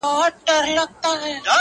په یار د مینې وقار نه غورزوم